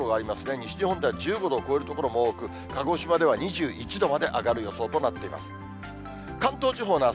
西日本では１５度を超える所も多く、鹿児島では２１度まで上がる予想となっています。